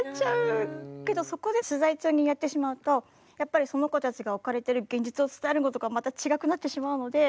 けどそこで取材中にやってしまうとやっぱりその子たちが置かれてる現実を伝えるのとまた違くなってしまうので。